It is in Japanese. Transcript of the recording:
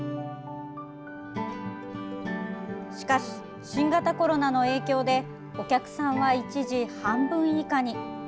しかし、新型コロナの影響でお客さんは一時、半分以下に。